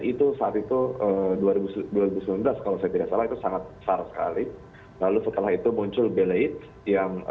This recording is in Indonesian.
itu saat itu dua ribu sembilan belas kalau saya tidak salah itu sangat besar sekali lalu setelah itu muncul beleit yang